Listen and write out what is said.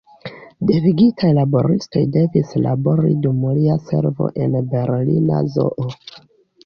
Devigitaj laboristoj devis labori dum lia servo en la Berlina Zoo.